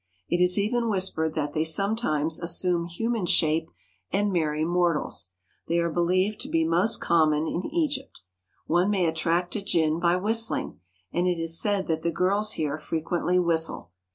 It is even whispered that they sometimes as sume human shape and marry mortals. They are be lieved to be most common in Egypt. One may attract a jinn by whistling, and it is said that the girls here frequently whistle.